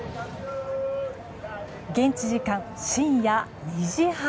現地時間、深夜２時半。